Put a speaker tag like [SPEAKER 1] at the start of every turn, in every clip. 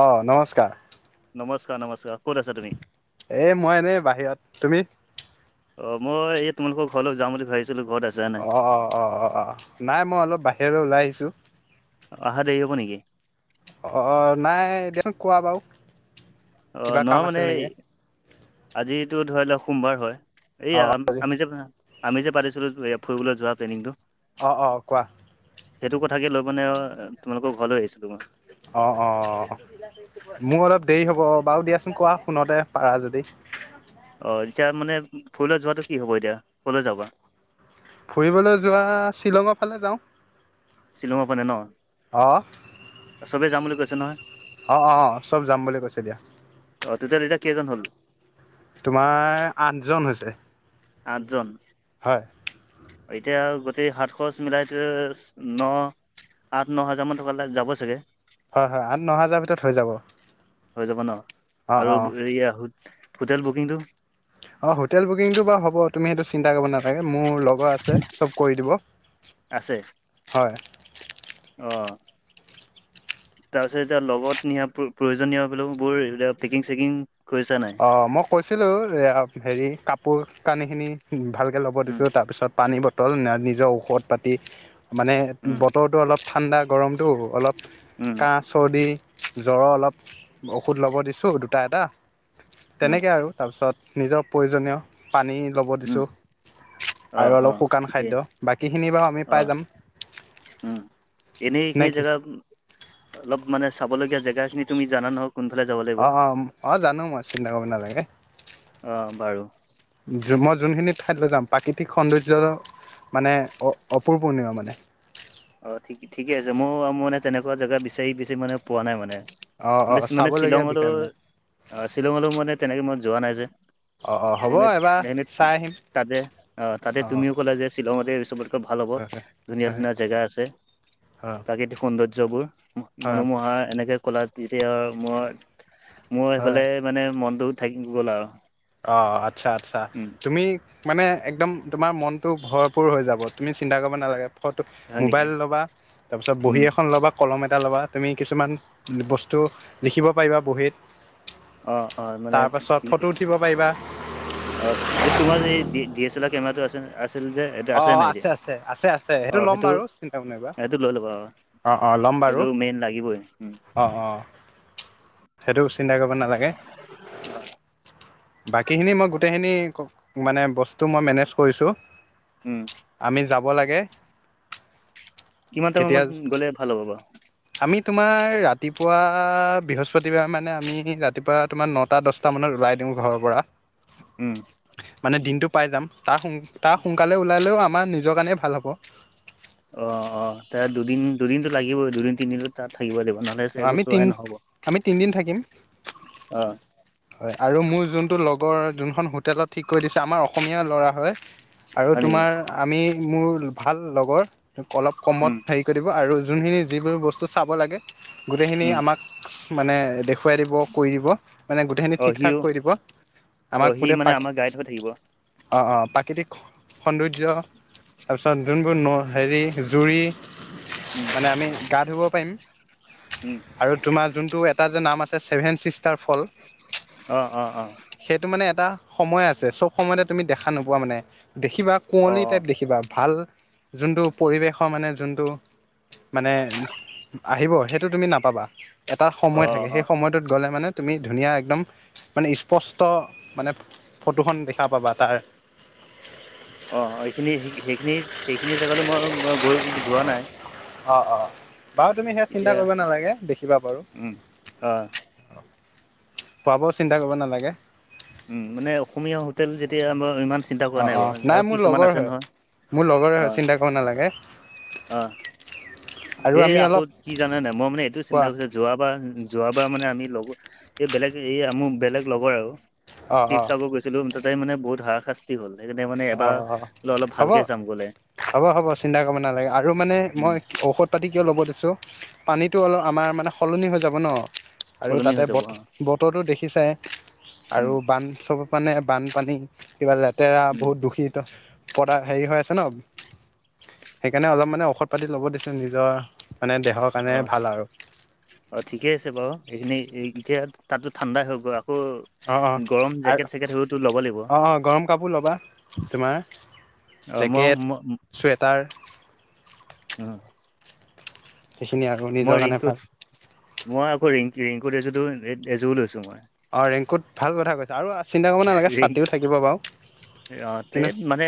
[SPEAKER 1] অঁ নমস্কাৰ।
[SPEAKER 2] নমস্কাৰ নমস্কাৰ ক'ত আছা তুমি?
[SPEAKER 1] এ মই এনেই বাহিৰত, তুমি?
[SPEAKER 2] অ মই এই তোমালোকৰ ঘৰলৈ যাম বুলি ভাবিছিলো ঘৰত আছ
[SPEAKER 1] অঁ অঁহ নাই মই অলপ বাহিৰলৈ ওলাই আহিছোঁ।
[SPEAKER 2] অহা দেৰি হ'ব নেকি?
[SPEAKER 1] অঁ নাই দিয়াচোন কোৱা বাৰু?
[SPEAKER 2] অ
[SPEAKER 1] কিবা কাম
[SPEAKER 2] নহয় মানে
[SPEAKER 1] আছিল
[SPEAKER 2] সেই
[SPEAKER 1] নেকি
[SPEAKER 2] আজিটো ধৰি লোৱা সোমবাৰ হয়। এই
[SPEAKER 1] অ'
[SPEAKER 2] আমি যে আমি যে পাতিছিলো ফুৰিবলৈ যোৱা প্লেনিংটো।
[SPEAKER 1] অ অ কোৱা?
[SPEAKER 2] সেইটো কথাকে লৈ মানে আৰু তোমালোকৰ ঘৰলৈ আহিছিলোঁ মই।
[SPEAKER 1] অ অ মোৰ অলপ দেৰি হ'ব, বাৰু দিয়াচোন কোৱা ফোনতে পাৰা যদি
[SPEAKER 2] অ এতিয়া মানে ফুৰিবলৈ যোৱাটো কি হ'ব এতিয়া কলৈ যাবা?
[SPEAKER 1] ফুৰিবলৈ যোৱা শ্বিলঙৰ ফালে যাওঁ।
[SPEAKER 2] শ্বিলঙত মানে ন?
[SPEAKER 1] অ'
[SPEAKER 2] চবে যাম বুলি কৈছে নহয়?
[SPEAKER 1] অঁ অঁ চব যাম বুলি কৈছে দিয়া।
[SPEAKER 2] অ তেতিয়া তেতিয়া কেইজন হ'ল?
[SPEAKER 1] তোমাৰ আঠজন হৈছে।
[SPEAKER 2] আঠজন?
[SPEAKER 1] হয়।
[SPEAKER 2] এতিয়া গোটেই হাত খৰচ মিলাই টো ন আঠ ন হাজাৰ মান টকালে যাব চাগে?
[SPEAKER 1] হয় হয় আঠ ন হাজাৰ ভিতৰত হৈ যাব।
[SPEAKER 2] হৈ যাব ন? আৰু
[SPEAKER 1] অ'
[SPEAKER 2] এয়া হো হোটেল বুকিংটো?
[SPEAKER 1] অ হোটেল বুকিংটো বাৰু হ'ব তুমি সেইটো চিন্তা কৰিব নালাগে মোৰ লগ লগ আছে চব কৰি দিব,
[SPEAKER 2] আছে
[SPEAKER 1] হয়।
[SPEAKER 2] অ। তাৰপিছত এতিয়া লগত নিয়া প্ৰ প্ৰয়োজনীয় বোলো বোৰ এইবিলাক পেকিং চেকিং কৰিছা নাই?
[SPEAKER 1] অঁ মই কৈছিলোঁ এয়া হেৰী কাপোৰ কানিখিনি ভালকে ল'ব
[SPEAKER 2] উম
[SPEAKER 1] দিছোঁ তাৰপিছত পানী ব বটল না নিজৰ ঔষধ পাতি, মানে
[SPEAKER 2] উম
[SPEAKER 1] বতৰটো অলপ ঠাণ্ডা গৰমটো অলপ
[SPEAKER 2] উম
[SPEAKER 1] কাঁহ, চৰ্দি, জ্বৰৰ অলপ ঔষধ ল'ব দিছোঁ দুটা এটা।
[SPEAKER 2] উম
[SPEAKER 1] তেনেকে আৰু তাৰপিছত নিজৰ প্ৰয়োজনীয় [unintelligible] পানী ল'ব
[SPEAKER 2] উম
[SPEAKER 1] দিছোঁ
[SPEAKER 2] অ
[SPEAKER 1] আৰু
[SPEAKER 2] অ
[SPEAKER 1] অলপ শুকান
[SPEAKER 2] ঠিকেই
[SPEAKER 1] খাদ্য, বাকীখিনি বাৰু আমি পাই যাম। [unintelligible]
[SPEAKER 2] [inaudible] উম! এনেই
[SPEAKER 1] নে
[SPEAKER 2] এইখিনি
[SPEAKER 1] কি
[SPEAKER 2] জেগা অলপ মানে চাবলগীয়া জেগাখিনি তুমি জানা নহ‌য় [unintelligible] কোনফালে যাব [unintelligible]
[SPEAKER 1] অঁ-অঁ [inaudible] অঁ জানো মই চিন্তা কৰিব নালাগে।
[SPEAKER 2] অ বাৰু
[SPEAKER 1] [unintelligible] মই যোনখিনি ঠাইত লৈ যাম প্ৰাকৃতিক সৌন্দৰ্যৰ [inaudible] মানে অ-অপূৰপণীয় মানে। [unintelligible]
[SPEAKER 2] অ ঠিক-ঠিকে আছে। মোৰ [unintelligible] মই মানে তেনেকুৱা জেগা বিচাৰি-বিচাৰি মানে পোৱা নাই মানে। [unintelligible]
[SPEAKER 1] অ', অ',
[SPEAKER 2] মানে-মানে
[SPEAKER 1] চাবলগীয়া বিষয়
[SPEAKER 2] শ্বিলঙলৈ
[SPEAKER 1] মানে
[SPEAKER 2] [inaudible] অ শ্বিলঙলৈ মানে তেনেকে মই যোৱা নাই যে।
[SPEAKER 1] অ-অ হ'ব
[SPEAKER 2] সেইকাৰণে
[SPEAKER 1] এবাৰ
[SPEAKER 2] সেইকাৰণে
[SPEAKER 1] চাই [unintelligible]
[SPEAKER 2] তাতে অ তাতে তুমিও কলা যে শ্বিলঙতে চবতকৈ ভাল হ'ব।
[SPEAKER 1] হয় হয় হয়
[SPEAKER 2] ধুনীয়া-ধুনীয়া জেগা আছে [unintelligible] আছে [inaudible] প্ৰাকৃতিক সৌন্দৰ্যবোৰ
[SPEAKER 1] হয় হয়
[SPEAKER 2] মনোমহা। আমাৰ এনেকে কলা যেতিয়া মোৰ-মোৰ
[SPEAKER 1] হয়
[SPEAKER 2] সেইফালে [unintelligible] মানে মনটো থাকি গ'ল আৰু। [inaudible]
[SPEAKER 1] অ আচ্ছা-আচ্ছা।
[SPEAKER 2] উম
[SPEAKER 1] তুমি মানে একদম তোমাৰ মনটো ভৰ [inaudible] ভৰপুৰ হৈ যাব, তুমি চিন্তা কৰিব নালাগে। ফটো
[SPEAKER 2] হয় নেকি
[SPEAKER 1] মোবাইল ল'বা তাৰপিছত বহী
[SPEAKER 2] উম
[SPEAKER 1] এখন ল'বা [unintelligible] কলম এটা ল'বা তুমি কিছুমান বস্তু লিখিব পাৰিবা বহীত। [inaudible]
[SPEAKER 2] অ' অ'
[SPEAKER 1] [inaudible]
[SPEAKER 2] মানে
[SPEAKER 1] তাৰ পাছত ফটো উঠিব পাৰিবা।
[SPEAKER 2] অ তোমাৰ এই ডি এছ এল আৰ কেমেৰাটো আ [unintelligible] আছিল যে এইটো
[SPEAKER 1] অ
[SPEAKER 2] আছে
[SPEAKER 1] অ
[SPEAKER 2] নাই এতিয়া?
[SPEAKER 1] আছে আছে আছে সেইটো
[SPEAKER 2] অ
[SPEAKER 1] ল'ম
[SPEAKER 2] সেইটো-সেইটো লৈ ল'বা আৰু [unintelligible]
[SPEAKER 1] অঁ-অঁ! লম। [unintelligible]
[SPEAKER 2] সেইটোতো মেইন লাগিবই। [inaudible]
[SPEAKER 1] অঁ-অঁ [inaudible] সেইটো চিন্তা কৰিব নালাগে। বাকীখিনি মই গোটেইখিনি মানে বস্তু মই মেনেজ কৰিছোঁ। [unintelligible]
[SPEAKER 2] উম
[SPEAKER 1] আমি যাব লাগে [inaudible]
[SPEAKER 2] কিমান
[SPEAKER 1] কেতিয়া
[SPEAKER 2] টাইমত গ'লে ভাল হ'ব বাৰু? [unintelligible]
[SPEAKER 1] আমি তোমাৰ ৰাতিপুৱা বৃহস্পতিবাৰ মানে আমি ৰাতিপুৱা তোমাৰ নটা, দহটা [unintelligible] [unintelligible] মানত ওলাই দিওঁ ঘৰৰ পৰা।
[SPEAKER 2] উম!
[SPEAKER 1] মানে দিনটো পাই যাম। তাৰ-তাৰ সোনকালে ওলালেও আমাৰ নিজৰ কাৰণেই ভাল হ'ব। [unintelligible]
[SPEAKER 2] অ-অ তাৰ দুদিন-দুদিনটো লাগিবই, দুদিন-তিনদিনটো তাত থাকিব লাগিব ন। [unintelligible]
[SPEAKER 1] অ আমি তিন [inaudible] আমি তিনিদিন থাকিম।
[SPEAKER 2] অ
[SPEAKER 1] [unintelligible] হয় আৰু মোৰ যোনটো লগৰ যোনখন হোটেলত ঠিক কৰি দিছে, আমাৰ অসমীয়া ল'ৰা হয়। [inaudible] আৰু
[SPEAKER 2] হয় নেকি
[SPEAKER 1] তোমাৰ, আমি, মোৰ ভাল লগৰ। [unintelligible] অলপ কমত
[SPEAKER 2] উম
[SPEAKER 1] হেৰি কৰি দিব আৰু যোনখিনি যিবোৰ বস্তু চাব লাগে [inaudible] গোটেইখিনি
[SPEAKER 2] উম
[SPEAKER 1] আমাক মানে [unintelligible] দেখুৱাই দিব, কৰি দিব। মানে গোটেইখিনি
[SPEAKER 2] অ সিও
[SPEAKER 1] ঠিক-ঠাক কৰি দিব।
[SPEAKER 2] অ
[SPEAKER 1] আমাক
[SPEAKER 2] সি
[SPEAKER 1] মুঠেই
[SPEAKER 2] মানে
[SPEAKER 1] প
[SPEAKER 2] আমাৰ গাইড হৈ থাকিব
[SPEAKER 1] [unintelligible] অঁ-অঁ প্ৰাকৃতিক সৌন্দৰ্য [unintelligible] তাৰপিছত যোনবোৰ নৈ হেৰি জুৰি
[SPEAKER 2] উম
[SPEAKER 1] [inaudible] মানে আমি গা ধুব পাৰিম।
[SPEAKER 2] উম
[SPEAKER 1] আৰু তোমাৰ যোনটো এটা যে নাম আছে ছেভেন ছিষ্টাৰ ফল।
[SPEAKER 2] অ অ অ
[SPEAKER 1] [unintelligible] সেইটো মানে এটা সময় আছে, চব সময়তে তুমি দেখা নোপোৱা মানে। [unintelligible] দেখিবা
[SPEAKER 2] অ
[SPEAKER 1] কুঁৱলী টাইপ দেখিবা, ভাল [unintelligible] যোনটো পৰিৱেশৰ মানে যোনটো মানে আহিব [unintelligible] সেইটো তুমি নাপাবা। এটা
[SPEAKER 2] অ
[SPEAKER 1] সময় থাকে
[SPEAKER 2] অ অ
[SPEAKER 1] সেই সময়ত [unintelligible] ত, গ'লে মানে তুমি ধুনীয়া একদম, মানে ইচপষ্ট মানে ফটোখন দেখা পাবা তাৰ।
[SPEAKER 2] অ, অ, এইখিনি সেইখিনি-সেইখিনি জেগালৈ মই গৈ, যোৱা নাই।
[SPEAKER 1] অ, অ, বাৰু তুমি সেয়া চিন্তা
[SPEAKER 2] এতিয়া
[SPEAKER 1] কৰিব নালাগে, দেখিবা বাৰু।
[SPEAKER 2] উম অ
[SPEAKER 1] খোৱাবোৱা চিন্তা কৰিব নালাগে।
[SPEAKER 2] উম, মানে অসমীয়া হোটেল যেতিয়া, আমাৰ ইমান চিন্তা কৰা
[SPEAKER 1] অঁ
[SPEAKER 2] নাই
[SPEAKER 1] অঁ
[SPEAKER 2] বাৰু, আৰু
[SPEAKER 1] মোৰ
[SPEAKER 2] কিছুমান
[SPEAKER 1] লগৰ
[SPEAKER 2] আছে
[SPEAKER 1] হয়
[SPEAKER 2] নহয়
[SPEAKER 1] মোৰ লগৰে
[SPEAKER 2] অ,
[SPEAKER 1] হয় চিন্তা কৰিব নালাগে
[SPEAKER 2] অ,
[SPEAKER 1] আৰু
[SPEAKER 2] এই
[SPEAKER 1] আমি
[SPEAKER 2] আকৌ
[SPEAKER 1] অলপ
[SPEAKER 2] কি জানে নে নাই, মই মানে এইটো চিন্তা
[SPEAKER 1] কোৱা
[SPEAKER 2] কৰিছো যোৱাবাৰ-যোৱাবাৰ মানে আমি লগৰ, এই বেলেগ এই মোৰ বেলেগ লগৰ আৰু।
[SPEAKER 1] অঁ অঁ
[SPEAKER 2] শিৱ-চাগৰ গৈছিলো ততে, মানে বহুত হাৰা-সা কি হ'ল সেইকাৰণে মানে
[SPEAKER 1] অঁ
[SPEAKER 2] এবাৰ,
[SPEAKER 1] অঁ
[SPEAKER 2] বোলে অলপ
[SPEAKER 1] হ'ব
[SPEAKER 2] ভালকে চাম গ'লে।
[SPEAKER 1] হ'ব হ'ব চিন্তা কৰিব নালাগে, আৰু মানে
[SPEAKER 2] উম
[SPEAKER 1] মই ঔষধ পানী কিয় ল'ব দিছোঁ, পানীটো অলপ আমাৰ মানে সলনি হৈ যাব ন আৰু
[SPEAKER 2] সলনি
[SPEAKER 1] তাতে
[SPEAKER 2] হৈ যাব
[SPEAKER 1] বত,
[SPEAKER 2] অ
[SPEAKER 1] বত ত, দেখিছোই আৰু
[SPEAKER 2] উম
[SPEAKER 1] বান চ'ব মানে বানপানী কিবা লেতেৰা।
[SPEAKER 2] উম
[SPEAKER 1] বহুত দুখিত, পদা-হেৰি হৈ আছে ন। সেইকাৰণে অলপ মানে ঔষধ পাতি ল'ব দিছো নিজৰ মানে দেহৰ
[SPEAKER 2] অ
[SPEAKER 1] কাৰণে ভাল আৰু।
[SPEAKER 2] অ, ঠিকেই আছে বাৰু, এইখিনি এতিয়া তাতো ঠাণ্ডাই হৈ গ'ল কৌ,
[SPEAKER 1] অ অ
[SPEAKER 2] গৰম
[SPEAKER 1] আৰু
[SPEAKER 2] জেকেট-চেকেট সেইতো ল'ব লাগিব।
[SPEAKER 1] অ অ গৰম কাপোৰ ল'বা, তোমাৰ
[SPEAKER 2] অ মই
[SPEAKER 1] জেকেট চুৱেটাৰ
[SPEAKER 2] উম,
[SPEAKER 1] সেইখিনি আৰু নিজৰ
[SPEAKER 2] মই
[SPEAKER 1] কাৰণে ভাল
[SPEAKER 2] ৰেংকুট মই, আকৌ ৰিংকুট এজো-এজোৰ লৈছো মই।
[SPEAKER 1] অ, ৰেংকুত ভাল কথা কৈছে আৰু চিন্তা কৰিব নালাগে
[SPEAKER 2] ৰেইন
[SPEAKER 1] ছাতিও থাকিব বাৰু।
[SPEAKER 2] অ, ত,
[SPEAKER 1] কিন্তু
[SPEAKER 2] মানে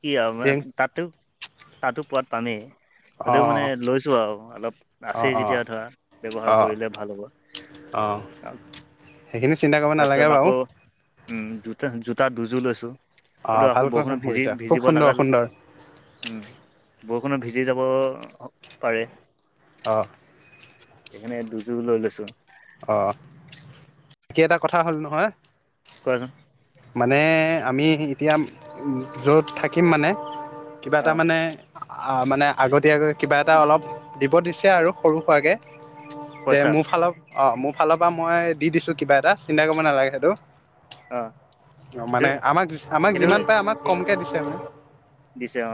[SPEAKER 2] কি
[SPEAKER 1] ৰেং
[SPEAKER 2] আৰু তাতো-তাতো পোৱাত পামেই।
[SPEAKER 1] অ
[SPEAKER 2] হ'লেও মানে লৈছোঁ আৰু, অলপ
[SPEAKER 1] অ
[SPEAKER 2] আছেই
[SPEAKER 1] অ
[SPEAKER 2] যেতিয়া ধৰা।
[SPEAKER 1] অ অ
[SPEAKER 2] ব্যৱহাৰ কৰিলে ভাল হ'ব।
[SPEAKER 1] অ, সেইখিনি চিন্তা কৰিব
[SPEAKER 2] তাৰপিছত
[SPEAKER 1] নালাগে বাৰু।
[SPEAKER 2] আকৌ উম, জোতা-জোতা দুযোৰ লৈছো,
[SPEAKER 1] অ
[SPEAKER 2] হয়টো
[SPEAKER 1] ভাল
[SPEAKER 2] আকৌ
[SPEAKER 1] কাম
[SPEAKER 2] বৰষুণত ভিজি-
[SPEAKER 1] কৰিছা খুব
[SPEAKER 2] ভিজিব
[SPEAKER 1] সুন্দৰ
[SPEAKER 2] লগা
[SPEAKER 1] সুন্দৰ
[SPEAKER 2] উম, বৰষুণত ভিজি যাব পাৰে।
[SPEAKER 1] অ,
[SPEAKER 2] সেইখনে দুযোৰ লৈ লৈছো।
[SPEAKER 1] অ, বাকী এটা কথা হ'ল নহয়।
[SPEAKER 2] কোৱাচোন?
[SPEAKER 1] মানে, আমি এতিয়া য'ত থাকিম মানে। কিবা
[SPEAKER 2] অ
[SPEAKER 1] এটা মানে। অ, মানে আগতিয়াকৈ কিবা এটা অলপ দিব দিছে আৰু, সৰু-সোৱাকে। তে,
[SPEAKER 2] পইচা
[SPEAKER 1] মোৰ ফালৰ অ, মোৰ ফালৰ পৰা মই দি দিছো কিবা এটা চিন্তা কৰিব নালাগে সেইটো। অ,
[SPEAKER 2] সেইটো
[SPEAKER 1] মানে আমাক-আমাক
[SPEAKER 2] সেইটো
[SPEAKER 1] যিমান পাৰে আমাক কমকে দিছে মে
[SPEAKER 2] দিছো অ,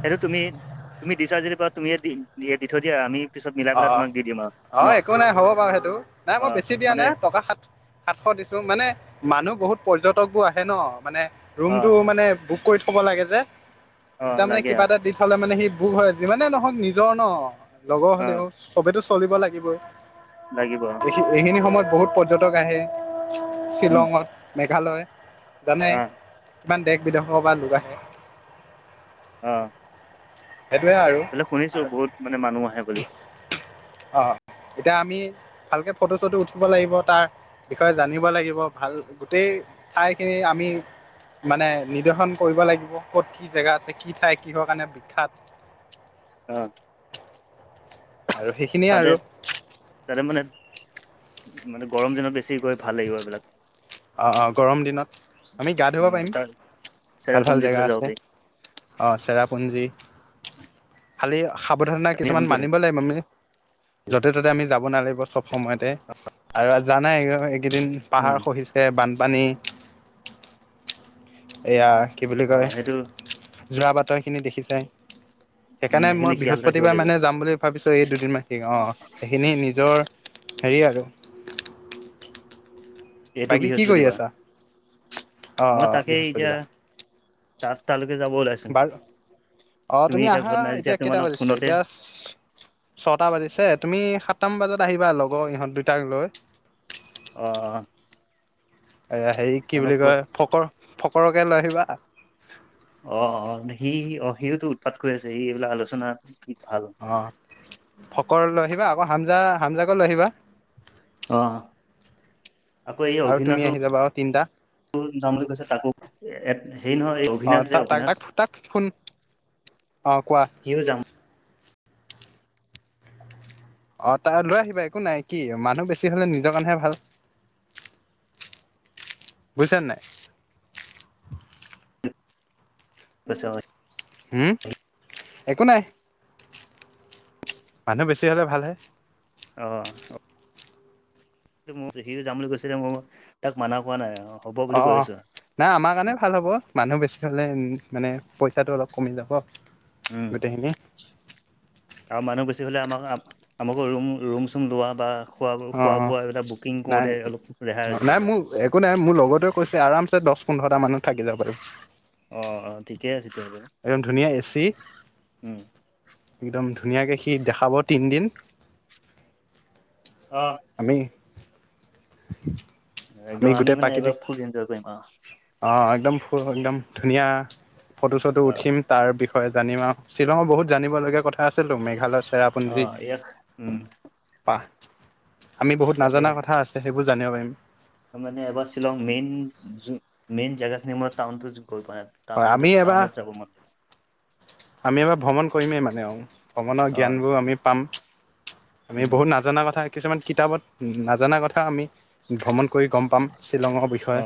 [SPEAKER 2] সেইটো তুমি- তুমি দিছা যদি তুমিয়ে দি-দি থৈ দিয়া আমি। পিছত মিলাই
[SPEAKER 1] অ,
[SPEAKER 2] পেলাই তোমাক দি দিম আৰু
[SPEAKER 1] অ,
[SPEAKER 2] ন
[SPEAKER 1] একো নাই হ'ব বাৰু, সেইটো নাই
[SPEAKER 2] অ
[SPEAKER 1] মই বেছি দিয়া
[SPEAKER 2] মানে
[SPEAKER 1] নাই টকা সাত সাতশ দিছো মানে, মানুহ বহুত পৰ্যটক বোৰ আহে ন, মানে
[SPEAKER 2] অ
[SPEAKER 1] ৰুমতটো মানে বুক কৰি থব লাগে যে,
[SPEAKER 2] অ
[SPEAKER 1] তেতিয়া মানে
[SPEAKER 2] লাগে অ
[SPEAKER 1] কিবা এটা ফালে মানে সি বোক হয়, যিমানে নহওঁক নিজৰ ন, লগৰ
[SPEAKER 2] অ
[SPEAKER 1] হ'লেও, চবেতটো চলিব লাগিবই।
[SPEAKER 2] লাগিব। অ,
[SPEAKER 1] এইখিনি সময়ত বহুত পৰ্যটক আহে,
[SPEAKER 2] উম
[SPEAKER 1] শ্বিলঙত, মেঘালয়। জানে,
[SPEAKER 2] অ
[SPEAKER 1] কিমান দেশ-বিদেশৰ পৰা লোক আহে।
[SPEAKER 2] অ!
[SPEAKER 1] সেইটোৱে আৰু,
[SPEAKER 2] বোলে শুনিছো বহুত মানে মানুহ আহে বুলি
[SPEAKER 1] অ এতিয়া আমি ভালকে ফটো চটো উঠিব লাগিব। তাৰ বিষয়ে জানিব লাগিব, ভাল গোটেই ঠাইখিনি আমি মানে নিৰ্দশন কৰিব লাগিব। ক'ত কি জেগা আছে? কি ঠাই কিহৰ কাৰণে বিখ্যাত? [unintelligible]
[SPEAKER 2] অঁ!
[SPEAKER 1] আৰু সেই
[SPEAKER 2] তাতে, তাতে মানে মানে গৰম দিনত বেছি গৈ ভাল লাগিব এইবিলাক।
[SPEAKER 1] অঁ, অঁ গৰম দিনত আমি গা-ধুব
[SPEAKER 2] উম
[SPEAKER 1] পাৰিম,
[SPEAKER 2] তাৰ
[SPEAKER 1] ভাল ভাল
[SPEAKER 2] চেৰাপুঞ্জী
[SPEAKER 1] জেগা
[SPEAKER 2] ফালে যাব
[SPEAKER 1] আছে। অ চেৰাপুঞ্জী, খালি সাৱধানত
[SPEAKER 2] পাৰি
[SPEAKER 1] কিছুমান মানি ব লাগিব আমি। যতে-ততে আমি যাব নালাগিব চব সময়তে। আৰু জানাই কেইদিন
[SPEAKER 2] উম
[SPEAKER 1] পাহাৰ খহিছে, বানপানী, এয়া কি বুলি
[SPEAKER 2] অ
[SPEAKER 1] কয়
[SPEAKER 2] সেইটো
[SPEAKER 1] যোৱা বাটৰখিনি দেখিছাই।
[SPEAKER 2] উম
[SPEAKER 1] সেইকাৰণে
[SPEAKER 2] সেইখিনি
[SPEAKER 1] মই
[SPEAKER 2] খিয়াল ৰাখিব
[SPEAKER 1] বৃহস্পতিবাৰ
[SPEAKER 2] লাগিব
[SPEAKER 1] মানে যাম বুলি ভাবিছো, এই দুদিন মান থাকি, অ সেইখিনি নি নিজৰ হেৰি আৰু
[SPEAKER 2] এইটো
[SPEAKER 1] বাকী কি কৰি
[SPEAKER 2] বৃহস্পতিবাৰ,
[SPEAKER 1] আছা অ অ
[SPEAKER 2] মই তাকেই এতিয়া
[SPEAKER 1] বৃহস্পতিবাৰ
[SPEAKER 2] ৰাস্তালেকে যাব ওলাইছোঁ।
[SPEAKER 1] বাৰু অ তুমি আহা!
[SPEAKER 2] নাই যেতিয়া
[SPEAKER 1] এতিয়া কেইটা
[SPEAKER 2] তোমালোক
[SPEAKER 1] বাজিছে?
[SPEAKER 2] ফোনতে
[SPEAKER 1] এতিয়া ছটা বাজিছে, তুমি সাতটামান বজাত আহিবা লগৰ ইহঁত দুইটাক লৈ।
[SPEAKER 2] অ!
[SPEAKER 1] এ হেৰি কি
[SPEAKER 2] জানক
[SPEAKER 1] বুলি কয় ফক ফকৰকে লৈ আহিবা।
[SPEAKER 2] অ, অ সি অ সিওতো উৎপাত কৰি আছে, সি এইবিলাক আলোচনাত ভাল।
[SPEAKER 1] অঁ ফকৰক লৈ আহিবা, আকৌ হামজা হামজাকু লৈ আহিবা।
[SPEAKER 2] অঁ!
[SPEAKER 1] আৰু তুমি আহি যাবা আও তিনটা।
[SPEAKER 2] যাম বুলি কৈছে, তাকো হেৰি নহয় এই
[SPEAKER 1] অ
[SPEAKER 2] অভিনাশ যে
[SPEAKER 1] তাক,
[SPEAKER 2] অভিনাশ
[SPEAKER 1] তাক, তাক ফোন অ কোৱা
[SPEAKER 2] সিও যাম
[SPEAKER 1] অ তাৰ লৈ আহিবা, একো নাই কি মানুহ বেছি হলে নিজৰ কাৰণেহে ভাল। বুজিছা নে নাই?
[SPEAKER 2] পইচাও হয়।
[SPEAKER 1] উম একো নাই! মানুহ বেছি হলে ভালহে।
[SPEAKER 2] অ মোৰ সিও যাম বুলি কৈছে যে - মই তাক মানা কৰা নাই অ।
[SPEAKER 1] অ, নাই, আমাৰ কাৰণে ভাল হ'ব মানুহ বেছি হ'লে মানে পইচাটো অলপ কমি যাব।
[SPEAKER 2] উম!
[SPEAKER 1] গোটেইখিনি
[SPEAKER 2] আৰু মানুহ বেছি হ'লে- আমাক আমাকো ৰুম ৰুম-চুম লোৱা বা খোৱা,
[SPEAKER 1] অ অ
[SPEAKER 2] খোৱা-বোৱা সেইবিলাক বুকিং
[SPEAKER 1] নাই
[SPEAKER 2] কৰোঁতে অলপ ৰেহাই
[SPEAKER 1] অ',
[SPEAKER 2] হৈ যাব
[SPEAKER 1] নাই
[SPEAKER 2] দিয়া।
[SPEAKER 1] মোৰ একো নাই, মোৰ লগৰটোৱে কৈছে আৰামছে দহ, পোন্ধৰটা মানুহ থাকি যাব পাৰিব।
[SPEAKER 2] অঁ, অঁ ঠিকেই আছে তেতিয়াহলে।
[SPEAKER 1] একদম ধুনীয়া এচি
[SPEAKER 2] উম
[SPEAKER 1] একদম ধুনীয়াকে সি দেখাব তিনদিন।
[SPEAKER 2] অঁ।
[SPEAKER 1] আমি।
[SPEAKER 2] একদম আমি
[SPEAKER 1] গোটেই
[SPEAKER 2] মানে
[SPEAKER 1] প্ৰাকৃতিক
[SPEAKER 2] এইবাৰ ফুল এনজয় কৰিম আৰু।
[SPEAKER 1] অ' একদম ফ একদম ধুনীয়া ফটো- চটো
[SPEAKER 2] অ
[SPEAKER 1] উঠিম। তাৰ বিষয়ে জানিম আৰু শ্বিলঙৰ বহুত জানিব লগগীয়া কথা আছে। মেঘালয়
[SPEAKER 2] অ
[SPEAKER 1] চেৰাপুঞ্জী।
[SPEAKER 2] ইয়াক উম
[SPEAKER 1] পাহ আমি বহুত
[SPEAKER 2] তাতে
[SPEAKER 1] নজনা কথা আছে, সেইবোৰ জানিব পাৰিম।
[SPEAKER 2] মানে এবাৰ শ্বিলং মেইন য মেইন জেগা খিনি মই টাউনতো গৈ পোৱা নাই। টা
[SPEAKER 1] হয়
[SPEAKER 2] গ
[SPEAKER 1] আমি এবাৰ
[SPEAKER 2] টাউনত যাব মন লাগিব [unintelligible]
[SPEAKER 1] আমি এবাৰ ভ্ৰমণ কৰিমেই মানে আৰু ভ্ৰমণৰ
[SPEAKER 2] অ
[SPEAKER 1] জ্ঞানবোৰ আমি পাম। আমি
[SPEAKER 2] উম
[SPEAKER 1] বহুত নজনা কথা কিছুমান কিতাপত নজনা কথা আমি। ভ্ৰমণ কৰি গম পাম শ্বিলঙৰ বিষয়ে।
[SPEAKER 2] অ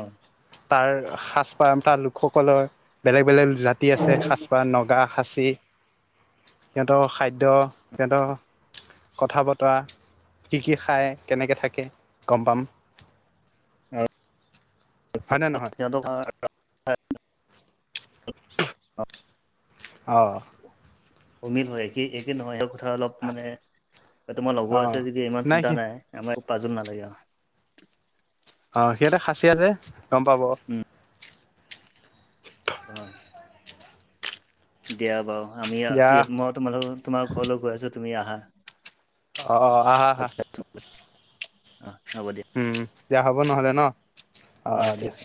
[SPEAKER 1] তাৰ সাজপাৰ তাৰ লোকসকলৰ বেলেগ- বেলেগ জাতি আছে সাজপাৰ নগা সাজা। সিহঁতৰ খাদ্য সিহঁতৰ। কথা বতৰা কি - কি খায় কেনেকৈ থাকে গম পাম।
[SPEAKER 2] হয়।
[SPEAKER 1] হয়নে নহয়?
[SPEAKER 2] অঁ। অঁ।
[SPEAKER 1] অঁ।
[SPEAKER 2] উমেদ হয়। স একে নহয় সেই কথা অলপ মানে তোমাৰ
[SPEAKER 1] অ
[SPEAKER 2] লগৰ আছে যদি ইমান চিন্তা নাই। আমাৰ পাজো নালাগে।
[SPEAKER 1] অ' সিহঁতে খাছীয়া যে গম পাব।
[SPEAKER 2] উম। হয়। দিয়া বাৰু আমি
[SPEAKER 1] দিয়া
[SPEAKER 2] ইয়াত মই তোমালোক তোমাৰ ঘৰলৈ গৈ আছোঁ তুমি আহা।
[SPEAKER 1] অঁ অঁ, আহা আহা।
[SPEAKER 2] অ' হ'ব দিয়া।
[SPEAKER 1] উম, দিয়া হ'ব নহ'লে ন' অ', অ'
[SPEAKER 2] ঠিক
[SPEAKER 1] দিয়া।
[SPEAKER 2] আছে